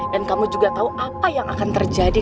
dan kamu juga tau apa yang akan terjadi